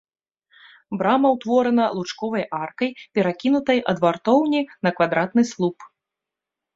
Брама ўтворана лучковай аркай, перакінутай ад вартоўні на квадратны слуп.